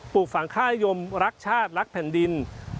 ปลูกฝังค่านิยมรักชาติรักแผ่นดิน